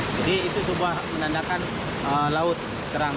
jadi itu sebuah menandakan laut kerang